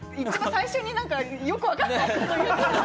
最初によくわからないことを言うから。